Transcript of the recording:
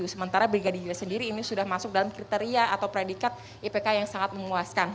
sementara brigadir j sendiri ini sudah masuk dalam kriteria atau predikat ipk yang sangat menguaskan